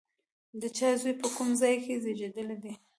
د چا زوی، په کوم ځای کې زېږېدلی دی؟